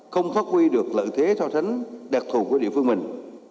không phát huy được lợi thế so sánh đặc thù của địa phương mình